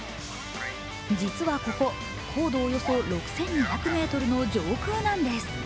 実はここ、高度およそ６２００ｍの上空なんです。